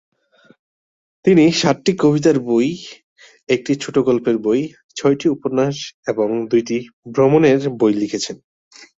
তিনি সাতটি কবিতার বই, একটি ছোট গল্পের বই, ছয়টি উপন্যাস এবং দুটি ভ্রমণের বই লিখেছেন।